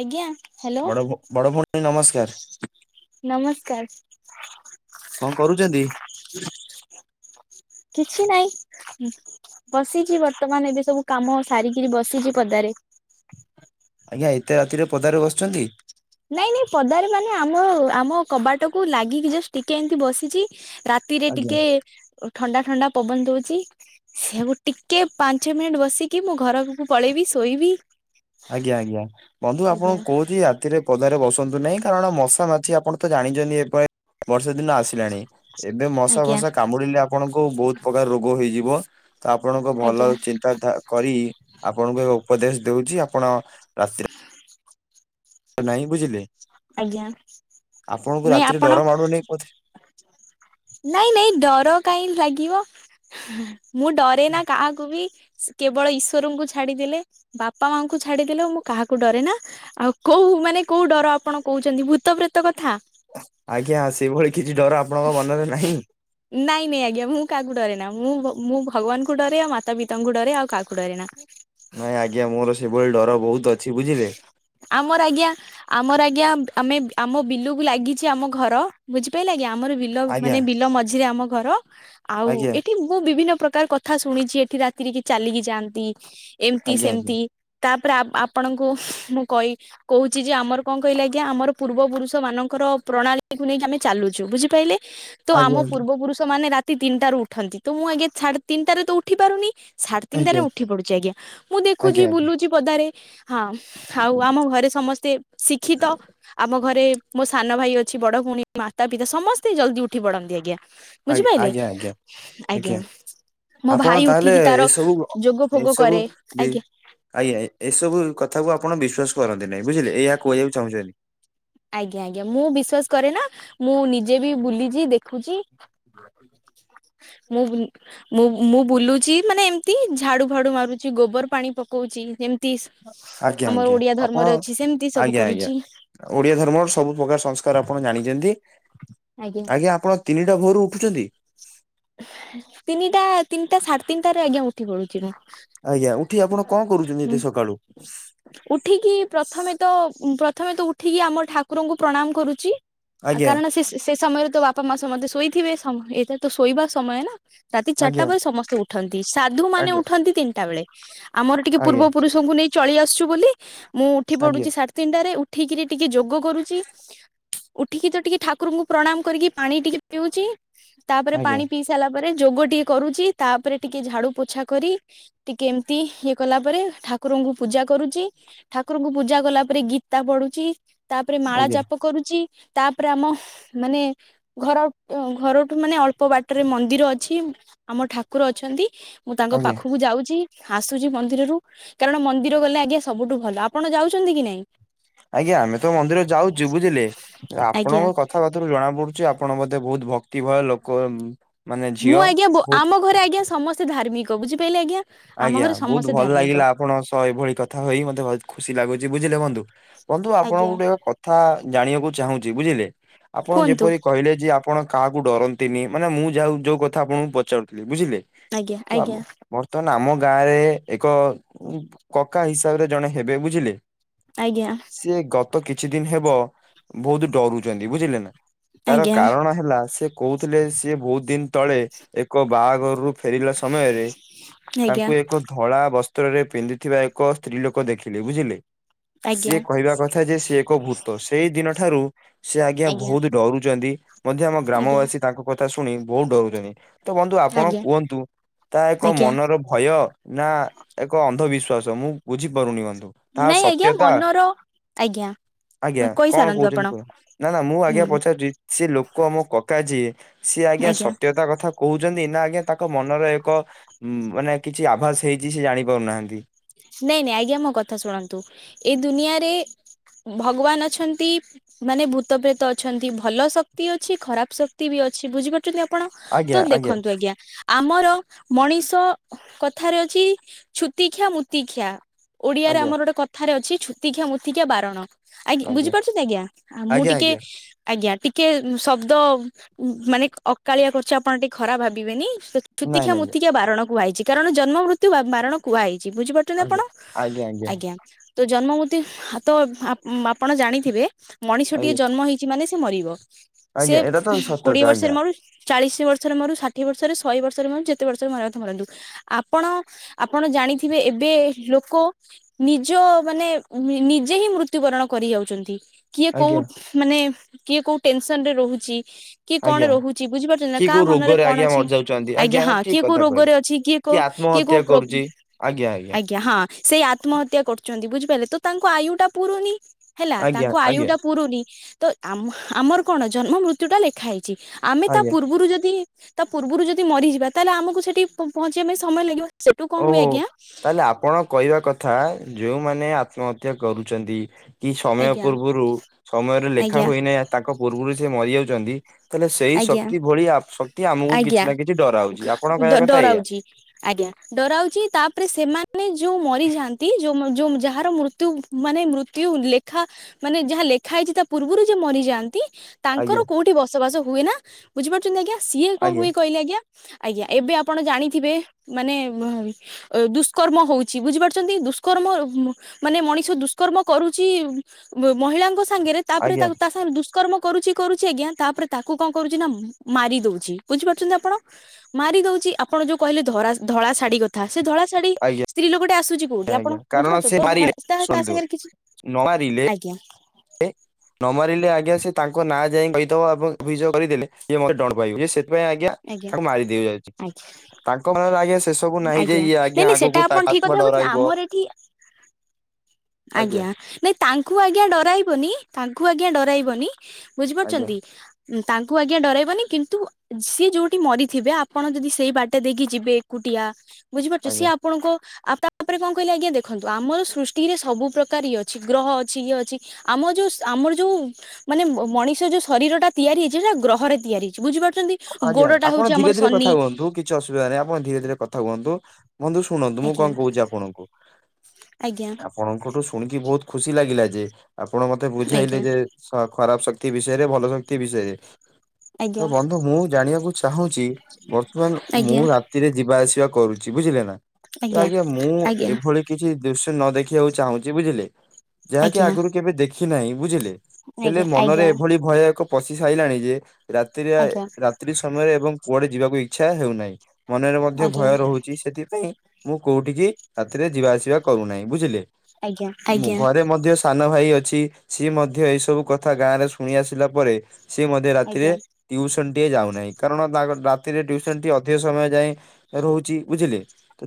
ଆଜ୍ଞା ହ୍ୟାଲୋ। ବଡ ଭ- ବଡ ଭଉଣୀ ନମସ୍କାର କଣ କରୁଛନ୍ତି? ନମସ୍କାର। କିଛି ନାଇଁ। ବସିଚି ବର୍ତ୍ତମାନ ଏବେ ସବୁ କାମ ସାରିକିରି ବସିଚି ପଦାରେ। ଆଜ୍ଞା ଏତେ ରାତିରେ ପଦାରେ ବସୁଚନ୍ତି। ନାଇଁ ନାଇଁ ପଦାରେ ମାନେ ଆମ ଆମ କବାଟକୁ ଲାଗିକି ଜଷ୍ଟ ଟିକେ ଏମିତି ବସିଚି, ରା ତିରେ ଆଜ୍ଞା ଟିକେ ଥଣ୍ଡା ଥଣ୍ଡା ପବନ ଦଉଚି। ସେଉ ଟିକେ ପାଞ୍ଚ ମିନିଟ ବସିକି ମୁଁ ଘରକୁ ପଳେଇବି ଶୋଇବି। ଆଜ୍ଞା ଆଜ୍ଞା। ବନ୍ଧୁ ଆପଣ ଆଜ୍ଞା କହୁଚି ରାତିରେ ପଦାରେ ବସନ୍ତୁ ନାହିଁ କାରଣ ମଶା, ମାଛି ଆପଣ ତ ଜାଣିଛନ୍ତି ଏବେ ବର୍ଷେ ଦିନ ଆସିଲାଣି, ଏବେ ମଶା ଆଜ୍ଞା ଫସା କାମୁଡ଼ିଲେ ଆପଣଙ୍କୁ ବହୁତ ପ୍ରକାର ରୋଗ ହେଇଯିବ, ତ ଆପଣଙ୍କ ଭଲ ଆଜ୍ଞା ଚିନ୍ତାତା କରି ଆପଣଙ୍କୁ ଏ ଉପଦେଶ ଦଉଚି, ଆପଣ ରାତିରେ ନାଇଁ ବୁଝିଲେ। ଆଜ୍ଞା। ଆପଣଙ୍କୁ ନାଇଁ ରାତିରେ ଡର ଆପଣ ମାଡୁନି ବୋଧେ? ନାଇଁ ନାଇଁ ଡର କାଇଁ ଲାଗିବ, ମୁଁ ଡରେନା କାହାକୁ ବି କେବଳ ଈଶ୍ୱରଙ୍କୁ ଛାଡିଦେଲେ, ବାପା ମାଆଙ୍କୁ ଛାଡିଦେଲେ, ମୁଁ କାହାକୁ ଡରେ ନା। ଆଉ କୋଉ ମାନେ କୋଉ ଡର ଆପଣ କହୁଚନ୍ତି ଭୂତ ପ୍ରେତ କଥା? ଆଜ୍ଞା ସେଇଭଳି କିଛି ଡର ଆପଣଙ୍କ ମନରେ ନାହିଁ? ନାଇଁ ନାଇଁ ଆଜ୍ଞା ମୁଁ କାହାକୁ ଡରେ ନା, ମୁଁ ମୁଁ ଭଗବାନଙ୍କୁ ଡରେ, ଆଉ ମାତା ପିତାଙ୍କୁ ଡରେ, ଆଉ କାହାକୁ ଡରେନା। ନାଇଁ ଆଜ୍ଞା ମୋର ସେଭଳି ଡର ବହୁତ ଅଛି ବୁଝିଲେ। ଆମର ଆଜ୍ଞା ଆମର ଆଜ୍ଞା ଆମେ ଆମ ବିଲୁକୁ ଲାଗିଚି ଆମ ଘର, ବୁଝିପାଇଲେ ଆଜ୍ଞା ଆମର ବିଲ ବିଲ ଆଜ୍ଞା ମାନେ ବିଲ ମଝିରେ ଆମ ଘର। ଆଉ ଆଜ୍ଞା ଏଠି ମୁଁ ବିଭିନ୍ନ ପ୍ରକାର କଥା ଶୁଣିଚି, ଏଠି ରାତିରେ କିଏ ଚାଲିକି ଯାଆନ୍ତି। ଏମିତି ଆଜ୍ଞା ସେମିତି, ତାପରେ ଆପ ଆପଣଙ୍କୁ ମୁଁ କହି କହୁଛି ଯେ ଆମର କଣ କହିଲେ ଆଜ୍ଞା ଆମର ପୂର୍ବ ପୁରୁଷ ମାନଙ୍କର ପ୍ରଣାଳୀକୁୁ ନେଇକି ଆମେ ଚାଲୁଛୁ ବୁଝିପାରିଲେ। ତ ଆଜ୍ଞା ଆମ ପୂର୍ବ ପୁରୁଷ ମାନେ ରାତି ତିନିଟାରୁ ଉଠନ୍ତି ତ ମୁଁ ଆଜ୍ଞା ସାଢେ ତିନିଟାରେ ତ ଉଠି ପାରୁନି। ସାଢେ ଆଜ୍ଞା ଆଜ୍ଞା ତିନିଟାରେ ଉଠି ପଡୁଛି ଆଜ୍ଞା ମୁଁ ଦେଖୁଛି ଆଜ୍ଞା ଆଜ୍ଞା ବୁଲୁଛି ପଦାରେ ହଁ ଆଉ ଆମ ଘରେ ସମସ୍ତେ ଶିକ୍ଷିତ। ଆମ ଘରେ ମୋ ସାନ ଭାଇ ଅଛି ବଡ ଭଉଣୀ ମାତା ପିତା ସମସ୍ତେ ଜଲଦି ଉଠି ପଢନ୍ତି ଆଜ୍ଞା। ବୁଝିପାରିଲେ ଆଜ୍ଞା ଆଜ୍ଞା ଆଜ୍ଞା ଆଜ୍ଞା। ମୋ ଆପଣ ଭାଇ ତାହେଲେ ଉଠିକି ତାର ଏସବୁ ଯୋଗ ଫୋଗ ଏସବୁ କରେ ବି ଆଜ୍ଞା। ଆଜ୍ଞା ଏସବୁ କଥା କ ଆପଣ ବିସ୍ଵାସ କରନ୍ତି ନାାଇଁ ବୁଝିଲେ ଏଇଆ କହିବାକୁ ଚାହୁଁଛନ୍ତି। ଆଜ୍ଞା ଆଜ୍ଞା ମୁଁ ବିଶ୍ଵାସ କରେ ନା ମୁଁ ନିଜେ ବି ବୁଲିଛି ଦେଖୁଛି। [inaudible] ହଁ। ମୁଁ ମୁଁ ବୁଲୁଛି ମାନେ ଏମିତି ଝାଡୁ ଫାଡୁ ମାରୁଛି ଗୋବର ପାଣି ପକଉଛି। ମିସ୍ ଆଜ୍ଞା ଆମର ଆଜ୍ଞା ଓଡିଆ ଆପଣ ଧର୍ମରେ ଅଛି ସେମିତି ସବୁ ଆଜ୍ଞା ଆଜ୍ଞା କରୁଚି। ଓଡିଆ ଧର୍ମର ସବୁ ପ୍ରକାର ସଂସ୍କାର ଆପଣ ଜାଣିଛନ୍ତି। ଆଜ୍ଞା ଆପଣ ତିନିଟା ଭୋରୁ ଉଠୁଛନ୍ତି। ତିନିଟା ତିନିଟା ସାଢେ ତିନିଟାରେ ଆଜ୍ଞା ଉଠି ପଡୁଛି ମୁଁ। ଆଜ୍ଞା ଉଠି ଆପଣ କଣ କରୁଛନ୍ତି ଏତେ ସକାଳୁ ଉଠିକି ପ୍ରଥମେ ତ ପ୍ରଥମେ ତ ଉଠିକି ଆମ ଠାକୁରଙ୍କୁ ପ୍ରଣାମ କରୁଛି। ଆ ଆଜ୍ଞା କାରଣ ସେ ସେ ସମୟରେ ତ ବାପା ମା ସମେତେ ଶୋଇଥିବେ ଏଇଟା ତ ଶୋଇବା ସମୟ ନା ରାତି ଚାରିଟା ଆଜ୍ଞା ପରେ ସମସ୍ତେ ଉଠନ୍ତି ସାଧୁ ମାନେ ଆଜ୍ଞା ଉଠନ୍ତି। ତିନିଟା ବେଳେ ଆମର ଟିକେ ଆଜ୍ଞା ପୂର୍ବ ପୁରୁଷଙ୍କୁ ନେଇ ଚଳି ଆସୁଛୁ ବୋଲି ମୁଁ ଉଠି ଆଜ୍ଞା ପଡୁଛି ତିଣ୍ଡାରେ ଉଠିକିରି ଟିକେ ଯୋଗ କରୁଛି। ଉଠିକି ତ ଟିକେ ଠାକୁରଙ୍କୁ ପ୍ରଣାମ କରିକି ପାଣି ଟିକେ ପିଉଛି ତାପରେ ଆଜ୍ଞା ପାଣି ପିସାରି ସାରିଲା ପରେ ଯୋଗ ଟିକେ କରୁଛି ତାପରେ ଟିକେ ଝାଡୁ ପୋଛା କରି ଟିକେ ଏମିତି ଇଏ କଲା ପରେ ଠାକୁରଙ୍କୁ ପୂଜା କରୁଛି ଠାକୁରଙ୍କୁ ପୂଜା କଲା ପରେ ଗୀତା ପଢୁଛି ତାପରେ ମାଳା ଆଜ୍ଞା ଜାପ କରୁଛି ତାପରେ ଆମ ମାନେ ଘର ଘରଠୁ ମାନେ ଅଳ୍ପ ବାଟରେ ମନ୍ଦିର ଅଛି ଆମ ଠାକୁର ଅଛନ୍ତି। ମୁଁ ତାଙ୍କ ଆଜ୍ଞା ପାଖକୁ ଯାଉଛି ଆସୁଛି ମନ୍ଦିରରୁ କାରଣ ମନ୍ଦିର ଗଲେ ଇଏ ସବୁଠୁ ଭଲ ଆପଣ ଯାଉଛନ୍ତି କି ନାଇଁ। ଆଜ୍ଞା ଆମେ ତ ମନ୍ଦିର ଯାଉଛୁ ବୁଝିଲେ ଆଜ୍ଞା। ଆପଣଙ୍କ କଥାବାର୍ତ୍ତା ସେଥିରୁ ଜଣା ପଡୁଛି ଆପଣ ବୋଧେ ବହୁତ ଭକ୍ତି ଭୟ ଲୋକ ମାନେ ମୁଁ ଝିଅ ଆଜ୍ଞା ବହୁତ ଆମ ଘରେ ଆଜ୍ଞା ସମସ୍ତେ ଧାର୍ମିକ ବୁଝିପାରିଲେ ଆଜ୍ଞା ଆମ ଆଜ୍ଞା ଘରେ ବହୁତ ସମସ୍ତେ ଭଲ ଧାର୍ମିକ। ଲାଗିଲା ଆପଣଙ୍କ ସହ ଏଭଳି କଥା ହୋଇ ମତେ ବହୁତ ଖୁସି ଲାଗୁଛି ବୁଝିଲେ ବନ୍ଧୁ ବନ୍ଧୁ ଆଜ୍ଞା ଆପଣଙ୍କ ଗୋଟେ ଜାଣିବାକୁ ଚାହୁଁଛି ବୁଝିଲେ ଆପଣ କୁହନ୍ତୁ ଯେପରି କହିଲେ ଯେ ଆପଣ କାହାକୁ ଡରନ୍ତିନି ମାନେ ମୁଁ ଯାହା ଯୋଉ କଥା ଆପଣଙ୍କୁ ପଚାରୁଥିଲି ବୁଝିଲେ। ଆଜ୍ଞା ତ ଆମ ଆଜ୍ଞା [inaudible] ବର୍ତ୍ତମାନ ଆମ ଗାଁ ରେ ଏକ କକା ହିସାବରେ ଜଣେ ହେବେ ବୁଝିଲେ। ଆଜ୍ଞା। ସିଏ ଗତ କିଛି ଦିନ ହେବ ବହୁତ ଡରୁଛନ୍ତି ବୁଝିଲେ ନା? ତାର ଆଜ୍ଞା କାରଣ ହେଲା ସେ କହୁଥିଲେ ସି ବହୁତ ଦିନ ତଳେ ଏକ ବାହାଘରରୁ ଫେରିଲା ସମୟରେ ଆଜ୍ଞା ତାଙ୍କୁ ଏକ ଧଳା ବସ୍ତ୍ରରେ ପିନ୍ଧୁଥିବା ଏକ ସ୍ତ୍ରୀ ଲୋକ ଦେଖିଲେ ବୁଝିଲେ। ସିଏ ଆଜ୍ଞା। କଥା ଯେ ସିଏ ଏକ ଭୂତ ସେଇ ଦିନ ଠାରୁ ସେ ଆଜ୍ଞା ବହୁତ ଡରୁଛନ୍ତି ମଧ୍ୟ ଆମ ଆଜ୍ଞା ଗ୍ରାମବାସୀ ତାଙ୍କ କଥା ଶୁଣି ବହୁତ ଡରୁଛନ୍ତି ତ ବନ୍ଧୁ ଆପଣ ଆଜ୍ଞା କୁହନ୍ତୁ ତା ଏକ ଆଜ୍ଞା ମନର ଭୟ ନା ଏକ ଅନ୍ଧବିଶ୍ଵାସ ମୁଁ ବୁଝିପାରୁନି କଧୁ ନାଇଁ ଆଜ୍ଞା ମନର ଆଜ୍ଞା ଆଜ୍ଞା କଣ କହିସାରନ୍ତୁ ଆପଣ କହୁଛନ୍ତି କୁହ ନା ନା ମୁଁ ହୁଁ ଆଜ୍ଞା ପଚାରୁଚି ସେ ଲୋକ ମୋ କକା ଯିଏ ସିଏ ଆଜ୍ଞା ସତ୍ୟତା କଥା କହୁଛନ୍ତି ନା ଆଜ୍ଞା ତାଙ୍କ ମନର ଏକ ମାନେ କିଛି ଆଭାସ ହେଇଛି ସେ ଜାଣି ପାରୁନାହାନ୍ତି। ନାଇଁ ନାଇଁ ଆଜ୍ଞା ମୋ କଥା ଶୁଣନ୍ତୁ ଏଇ ଦୁନିଆରେ ଭଗବାନ ଅଛନ୍ତି ମାନେ ଭୂତ ପ୍ରେତ ଅଛନ୍ତି। ଭଲ ଶକ୍ତି ଅଛି ଖରାପ ଶକ୍ତି ବି ଅଛି। ବୁଝିପାର ନ୍ତି ଆପଣ ତ ଦେଖନ୍ତୁ। ଆଜ୍ଞା ଆମର ମଣିଷ କଥାରେ ଅଛି ଛୁତି ଖିଆ ମୁତିଖିଆ। ଓଡ଼ିଆରେ ଆଜ୍ଞା ଆମର ଗୋଟେ କଥାରେ ଅଛି। ଛୁତିଖିଆ ମୁତିିଖିଆ ବାରଣ। ଆଜ୍ଞ ଆଜ୍ଞା ବୁଝିପାରୁଛନ୍ତି ଆଜ୍ଞା ଆ ମୁଁ ଆଜ୍ଞା ଟିକେ ଆଜ୍ଞା ଆଜ୍ଞା ଟିକେ ଶବ୍ଦ ମାନେ ଅକାଳିଆ କରଚି। ଆପଣ ଟିକେ ଖରାପ ଭାବିବେନି ନାଇଁ ଛୁତିିଖିଆ ନାଇଁ ମୁତିଖିଆ ବାରଣ କୁହାଇଛି କାରଣ ଜନ୍ମ ମୃତ୍ୟୁ ବା ବାରଣ କୁହାଇଛି। ବୁଝି ପାରୁ ଆପଣ ଆଜ୍ଞା। ଆଜ୍ଞା ଆଜ୍ଞା ତ ଜନ୍ମ ମୃତ୍ୟୁ ହାତ ଆପ୍ ଆପଣ ଜାଣିଥିବେ ମଣିଷଟିଏ ଆଜ୍ଞା ଜନ୍ମ ହେଇଚ ଚି ମାନେ ସେ ମରିବ। ସେ ଆଜ୍ଞା ଏଇଟା ତ କୋଡିଏ ସତତା ବର୍ଷରେ ଆଜ୍ଞା ମରୁ ଚାଳିଶି ବର୍ଷରେ ମରୁ ଷାଠିଏ ବର୍ଷରେ ଶହେବର୍ଷରେ ମରୁ ଯେତେ ବର୍ଷରେ ମରିବା କଥା ମରନ୍ତୁ ଆପଣ ଆପଣ ଜାଣିଥିବେ ଏବେ ଏବେ ଲୋକ ନିଜ ମାନେ ନିଜେ ହିଁ ମୃତ୍ୟୁବରଣ କରି ଯାଉଛନ୍ତି। କିଏ କୋଉ ଆଜ୍ଞା ମାନେ କିଏ କୋଉ ଟେନସନରେ ରହୁଚି। କିଏ ଆଜ୍ଞା। କଣ ରହୁଛି ବୁଝିପାରୁଛନ୍ତି ନା। କିଏ କୋଉ କାହା ମନରେ ରୋଗରେ କଣ ଆଜ୍ଞା ଅଛି। ମରିଯାଉଛନ୍ତି ଆଜ୍ଞା ହଁ ଠିକ କିଏ କୋଉ କଥା କହିଲେ। ରୋଗରେ ଅଛି କିଏ କିଏ କୋଉ ପ୍ରୋବ ଆଜ୍ଞା ହଁ ସେଇ ଆତ୍ମହତ୍ୟା କରୁଚନ୍ତି ବୁଝିପାରିଲେ ତ ତାଙ୍କ ଆୟୁ ଟା ପୁରୁନି ହେଲା ଆଜ୍ଞା ତାଙ୍କ ଆୟୁ ଆଜ୍ଞା ଟା ପୁରୁନି ତ ଆମ ଆମର କଣ ଜନ୍ମ ମୃତ୍ୟୁ ଟା ଲେଖା ହେଇ ଆମେ ତା ଆଜ୍ଞା। ପୂର୍ବରୁ ଯଦି ତା ପୂର୍ବରୁ ଯଦି ମରିଯିବା ତାହେଲେ ଆମକୁ ସେଠି ପ ପହଞ୍ଚିବା ପାଇଁ ସମୟ ଲାଗିବ। ସେଠୁ କଣ ହୁଏ ଓହୋ ଆଜ୍ଞା ଆପଣ କହିବା କଥା ଯୋଉମାନେ ଆତ୍ମହତ୍ୟା କରୁଛନ୍ତି। କି ସମୟ ଆଜ୍ଞା ପୂର୍ବରୁ ସମୟରେ ଲେଖା ଆଜ୍ଞା ହୋଇନାହିଁ ତାଙ୍କ ପୂର୍ବରୁ ସେ ମରିଯାଉଛନ୍ତି। ତାହେଲେ ସେଇ ଆଜ୍ଞା ଶକ୍ତି ଭଳି ଶକ୍ତି ଆମକୁ ଆଜ୍ଞା କିଛି ନା କିଛି ଡରା ହଉଛି ଆପଣ କହିବା ଡ କଥା ଏଇଆ। ଡରାଉଛି। ଆଜ୍ଞା ଡରାଉଚି। ତାପରେ ସେମାନେ ଯୋଉ ମରିଯାଆନ୍ତି। ଯୋଉ ଯୋମ ଯାହାର ମୃତ୍ୟୁ ମାନେ ମୃତ୍ୟୁ ଲେଖା ମାନେ ଯାହା ଲେଖା ହେଇଛି ତା ପୂର୍ବରୁ ଯେ ମରିଯାଆନ୍ତି ଆଜ୍ଞା ତାଙ୍କର କୋଉଠି ବସବାସ ହୁଏ ନା ବୁଝିପାରୁଛନ୍ତି ଆଜ୍ଞା। ସିଏ କଣ ଆଜ୍ଞା ହୁଏ କହିଲେ ଆଜ୍ଞା ଆଜ୍ଞା ଏବେ ଆପଣ ଜାଣିଥିବେ ମାନେ ବ ଦୁଷ୍କର୍ମ ହୋଉଛି ବୁଝିପାରୁଛନ୍ତି। ଦୁଷ୍କର୍ମ ମାନେ ମଣିଷ ଦୁଷ୍କର୍ମ କରୁଚି ମହିଳାଙ୍କ ସାଙ୍ଗରେ ତାପରେ ଆଜ୍ଞା ତାକୁ ତା ସାଙ୍ଗେ ଦୁଷ୍କର୍ମ କରୁଛି କରୁଛି ଆଜ୍ଞା ତାପରେ ତାକୁ କଣ କରୁଚି ନା ମାରି ଦୋଉଚି ବୁଝିପାରୁଛନ୍ତି। ଆପଣ? ମାରି ଦୋଉଚି ଆପଣ ଯୋଉ କହିଲେ ଧରା ଧଳା ଶାଢୀ କଥା ସେ ଧଳା ଶାଢୀ ଆଜ୍ଞା ସ୍ତ୍ରୀ ଲୋକଟେ ଆସୁଚି ଉଠି ଆଜ୍ଞା ଆପଣ କାରଣ ବୁଝିପାରୁଛନ୍ତି। ସେ ତ ଧଳା ମାରିଲେ ତା ତା ଶୁଣନ୍ତୁ ସାଙ୍ଗରେ କିଛି ନ ମାରିଲେ ଆଜ୍ଞା। ନ ମାରିଲେ ଆଜ୍ଞା ସେ ତାଙ୍କ ନାଁ ଯାଇ କହିଦବ। ଏବଂ ଅଭିଯୋଗ କରିଦେଲେ ଏ ମତେ ଡଣ ପାଇବ ଯେ ସେଥିାପାଇଁ ଆଜ୍ଞା ତାକୁ ମାରି ଦେବି ଯାଉଚି। ଆଚ [unintelligible] ରେ ଆଜ୍ଞା ସେ ସବୁ ନାହିଁ ଯେ ଇଏ ଆଜ୍ଞା ନାଇଁ ସେଟା ଆଗକୁ ତା ଆପଣ ଠିକ ଆତ୍ମା କଥା କହୁଛନ୍ତି ଡରାଇବ। ଆମର ଏଠି ଆଜ୍ଞା ନାଇଁ ତାଙ୍କୁ ଆଜ୍ଞା ଡରାଇବନି ତାଙ୍କୁ ଆଜ୍ଞା ଡରାଇବନି ଆଜ୍ଞା ବୁଝିପାରୁଛନ୍ତି। ତାଙ୍କୁ ଆଜ୍ଞା ଡରାଇବନି କିନ୍ତୁ ସିଏ ଯୋଉଠି ମରିଥିବେ। ଆପଣ ଯଦି ସେଇ ବାଟ ଦେଇକି ଯିବେ ଏକୁଟିଆ ବୁଝିପାରୁଚ ଆଜ୍ଞା ସିଏ ଆପଣଙ୍କୁ ଆ ତାପରେ କଣ କହିଲେ ଆଜ୍ଞା ଦେଖନ୍ତୁ ଆମର ସୃଷ୍ଟ ଟି ରେ ସବୁ ପ୍ରକାର ଇଏ ଅଛି ଗ୍ରହ ଅଛି ଇଏ ଅଛି ଆମ ଯୋଉ ଆମର ଯୋଉ ମାନେ ମଣିଷ ଯଉ ଶରୀରଟା ତିଆରି ହେଇଚି ସେଇଟା ଗ୍ରହରେ ତିଆରି ହେଇଚି। ବୁଝିପାରୁ ଚନ୍ତି ଗୋଡଟା ହଉଛି ଆମର ସନି ଛି ଅସୁବିଧା ନାହିଁ। ଆପଣ ଧୀରେ ଧୀରେ କଥା ହୁହନ୍ତୁ। ବନ୍ଦୁ ଶୁଣନ୍ତୁ ମୁଁ ଆଜ୍ଞା କଣ କହୁଚି ଆପଣଙ୍କୁ? ଆଜ୍ଞା। ତାଙ୍କଠୁ ଶୁଣିକି ବହୁତ ଖୁସି ଲାଗିଲା ଯେ ଆପଣ ମତେ ଆଜ୍ଞା ବୁଝାଇଲେ ଯେ ଖରାପ ଶକ୍ତି ବିଷୟରେ ଭଲ ଶକ୍ତି ବିଷୟରେ। ତ ଆଜ୍ଞା। ବନ୍ଧୁ ମୁଁ ଜାଣିବାକୁ ଚାହୁଁଛି ବର୍ତ୍ତମାନ ମୁଁ ଆଜ୍ଞା ରାତିରେ ଯିବା ଆସିବା କରୁଛି ବୁଝିଲେ ନା। ତ ଆଜ୍ଞା ମୁଁ ଆଜ୍ଞା ଏଭଳି କିଛି ଦୃଶ୍ୟ ନ ଦେଖିବାକୁ ଚାହୁଁଛି ବୁଝିଲେ। ଯାହାକି ଆଜ୍ଞା ଆଜ୍ଞା ଆଗରୁ କେବେ ଦେଖି ନାହିଁ ବୁଝିଲେ ହେଲେ ଆଜ୍ଞା ମନରେ ଆଜ୍ଞା ଏଭଳି ଭୟଏକ ପଶି ସାରିଲାଣି ଯେ ରାତିରେ ଆଜ୍ଞା ରାତ୍ରି ସମୟରେ ଏବଂ କୁଆଡେ ଯିବାକୁ ଇଚ୍ଛା ହେଉନାହିଁ ମନରେ ମଧ୍ୟ ଆଜ୍ଞା ଭୟ ରହୁଛି ସେଥିପାଇଁ ମୁଁ କୋଉଠିକି ରାତିରେ ଯିବା ଆସିବା କରୁନାହିଁ ବୁଝିଲେ। ଆଜ୍ଞା ମୁଁ ଆଜ୍ଞା ଘରେ ମଧ୍ୟ ସାନ ଭାଇ ଅଛି ସିଏ ମଧ୍ୟ ଏ ସବୁ କଥା ଗାଁ ରେ ଶୁଣି ଆସିଲା ପରେ ସେ ମଧ୍ୟ ରାତିରେ ଆଜ୍ଞା ଟିଉସ ନ ଯାଉନାହିଁ କାରଣ ରାତିରେ ଟୁସନ ଅଧିକ ସମୟ ଯାଏ ରହୁଛି ବୁଝିଲେ।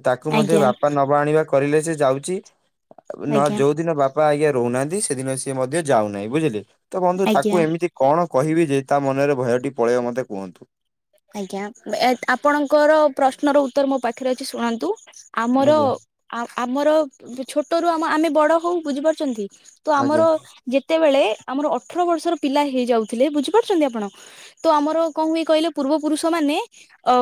ତାକୁ ମଧ୍ୟ ଆଜ୍ଞା ବାପା ନବା ଆଣିବା କରିଲେ ସେ ଯାଉଛି ନ ଆଜ୍ଞା ଯୋଉଦିନ ବାପା ବାପା ଆଜ୍ଞା ରହୁନାହାନ୍ତି ସେଦିନ ସିଏ ମଧ୍ୟ ଯାଉନାହିଁ ବୁଝିଲେ ତ ବନ୍ଧୁ ଆଜ୍ଞା ତାକୁ ଏମିତି କଣ କହିବି ଯେ ତା ମନରେ ଭୟଟି ପଳେଇବ ମତେ କୁହନ୍ତୁ। ଆଜ୍ଞା ଏ ଆପଣଙ୍କର ପ୍ରଶ୍ନର ଉତ୍ତର ମୋ ପାଖରେ ଅଛି ଶୁଣନ୍ତୁ ଆମର ଆଜ୍ଞା ଆଉ ଆମର ଛୋଟରୁୁ ଆମ ଆମେ ବଡ ହଉ ବୁଝିପାରୁଛନ୍ତି ତ ଆମର ଆଜ୍ଞା ଯେ ଯେତେବେଳେ ଆମର ଅଠର ବର୍ଷର ପିଲା ହେଇଯାଉଥିଲେ ବୁଝିପାରୁଛନ୍ତି ଆପଣ ତ ଆମର କଣ ହୁଏ କହିଲେ ପୂର୍ବ ପୁରୁଷ ମାନେ ଅ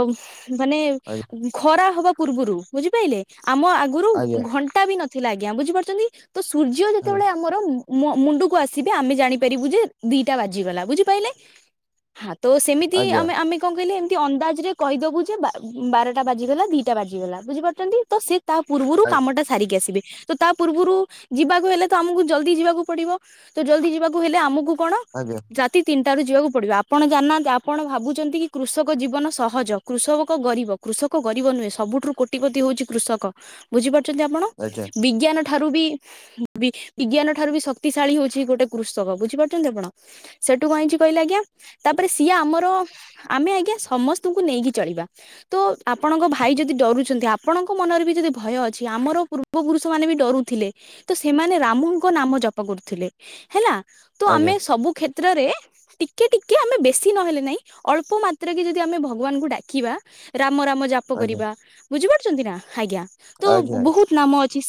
ମାନେ ଆଜ୍ଞା ଖରା ହବା ପୂର୍ବରୁ ବୁଝିପାଇଲେ ଆମ ଆଗରୁ ଆଜ୍ଞା ଘଣ୍ଟା ବି ନଥିଲା ଆଜ୍ଞା ବୁଝିପାରୁଛନ୍ତି। ତ ସୂର୍ଯ୍ୟ ଯେତେବେଳେ ବରମ୍ ମୁଣ୍ଡକୁ ଆସିବେ ଆମେ ଜାଣିପାରିବୁ ଯେ ଦିଟା ବାଜିଗଲା ବୁଝିପାଇଲେ। ହଁ ତ ସେମିତି ଆଜ୍ଞା ଆମେ ଆମେ କଣ କହିଲେ ଏମିତି ଅନ୍ଦାଜରେ କହିଦେବୁ ଯେ ବା-ବାରଟା ବାଜିଗଲା ଦିଟା ବାଜିଗଲା ବୁଝିପାରୁଛନ୍ତି ତ ସେ ତା ପୂର୍ବରୁ ଆଜ୍ଞା କାମଟା ସାରିକି ଆସିବେ। ତ ତା ପୂର୍ବରୁ ଯିବାକୁ ହେଲେ ତ ଆମକୁ ଜଲଦି ଯିବାକୁ ପଡିବ। ତ ଜଲଦି ଯିବାକୁ ହେଲେ ଆମକୁ କଣ ଆଜ୍ଞା। ରାତି ତିନିଟା ରାରୁ ଯିବାକୁ ପଡିବ ଆପଣ ଜାଣିନାହାନ୍ତି ଆପଣ ଭାବୁଛନ୍ତି। ଏତିକି କୃଷକ ଜୀବନ ସହଜ। କୃଷକକ ଗରିବ କୃଷକ ଗରିବ ନୁହେଁ ସବୁଠୁ କୋଟିପତି ହଉଛି କୃଷକ। ବୁଝିପାରୁଛନ୍ତି ଆପଣ ଆଜ୍ଞା ଆଜ୍ଞା ବିଜ୍ଞାନ ଠାରୁ ବି ବିଜ୍ଞାନ ଠାରୁ ବି ଶକ୍ତିଶାଳୀ ହଉଛି ଗୋଟେ କୃଷକ ବୁଝିପାରୁଛନ୍ତି ଆପଣ। ସେଠୁ କଣ ହେଇଛି କହିଲେ ଆଜ୍ଞା ତାପରେ ସିଏ ଆମର ଆମେ ଆଜ୍ଞା ସମସ୍ତଙ୍କୁ ନେଇକି ଚଳିବା। ତ ଆପଣଙ୍କ ଭାଇ ଯଦି ଡରୁଛନ୍ତି ଆପଣଙ୍କ ମନରେ ବି ଯଦି ଭୟ ଅଛି ଆମର ପ ପୂର୍ବ ପୁରୁଷ ମାନେ ବି ଡରୁଥିଲେ ତ ସେମାନେ ରାମୁଙ୍କ ନାମ ଜପ କରୁଥିଲେ ହେଲା ତ ଆମେ ଆଜ୍ଞା। ସବୁ କ୍ଷେତ୍ରରେ ଟିକେ ଟିକେ ଆମେ ବେଶୀ ନହେଲେ ନାଇଁ ଅଳ୍ପ ମାତ୍ର କି ଯଦି ଆମେ ଭଗବାନଙ୍କୁ ଡାକିବା ରାମ ରାମ ଜାପ ଆଜ୍ଞା କରିବା ବୁଝିପାରୁଛନ୍ତି ନା ଆଜ୍ଞା ତ ଆଜ୍ଞା। ବହୁତ ନାମ ଅଛି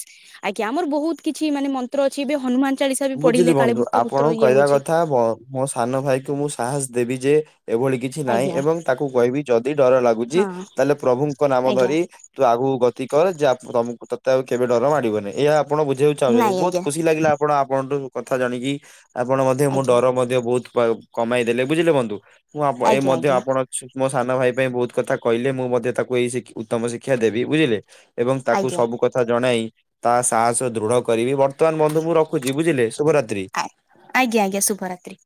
ଆଜ୍ଞା ଆମର ବହୁତ କିଛି ମାନେ ମନ୍ତ୍ର ଅଛି ଏବେ ହନୁମାନ ଚାଳିଶା ବି ବୁଝିଲି ପଢିଲେ କାଳେ ବନ୍ଧୁ ଭୂତ ଭୂତ୍ର ଆପଣଙ୍କୁ ଇଏ କହିବା ହଉଛି। କଥା ମୋ ସାନ ଭାଇ କ ମୁଁ ସାହସ ଦେବି ଯେ ଏଭଳି କିଛି କିଛି ନାହିଁ ଆଜ୍ଞା ଏବଂ ତାକୁ କହିବି ଯଦି ଡର ଲାଗୁଛି ହଁ ତାହେଲେ ପ୍ରଭୁଙ୍କ ନାମ ଆଜ୍ଞା ଧରି ତୁ ଆଗକୁ ଗତି କର ଯେ ତମକୁ ତତେ ଆଉ କେବେ ଡର ମାଡିବନି ଏହା ଆପଣ ବୁଝେଇଉଛ ନାଇଁ ବହୁତ ଆଜ୍ଞା ଖୁସି ଲାଗିଲା ଆପଣ ଆପଣଠୁ କଥା ଜାଣିକି ଆପଣ ମଧ୍ୟ ମୁଁ ଆଜ୍ଞା ଡର ବହୁତ କମେଇ ଦେେଲେ ବୁଝିଲେ ବୁନ୍ତୁ ମୁଁଣ ଏ ଆଜ୍ଞା ମଧ୍ୟ ଆଜ୍ଞା ଆପଣ ସୁକ୍ମ ସାନ ଭାଇ ପାଇଁ ବହୁତ କଥା କହିଲେ ମୁଁ ମଧ୍ୟ ତାକୁ ଏଇ ଉତ୍ତମ ଶିକ୍ଷା ଦେବି ବୁଝିଲେ ଏବଂ ତାକୁ ଆଜ୍ଞା ସବୁ କଥା ଜଣାଇ ତା ସାହସ ଦୃଢ କରିବି ବର୍ତ୍ତମାନ ବନ୍ଧୁ ମୁ ରଖଛି ବୁଝିଲେ ଶଭରାତ୍ରି ଆଜ୍ଞା ଆଜ୍ଞା ଶୁଭରାତ୍ରୀ